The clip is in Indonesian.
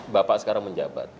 bapak sekarang menjabat